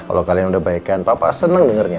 kalau kalian udah baikan papa senang dengernya